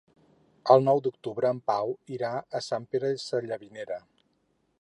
El nou d'octubre en Pau irà a Sant Pere Sallavinera.